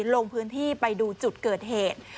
ลงพื้นที่ไปดูจุดเกิดเหตุ